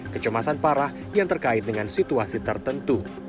kecemasan parah yang terkait dengan situasi tertentu